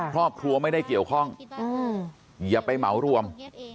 ครอบครัวไม่ได้เกี่ยวข้องอย่าไปเหมารวม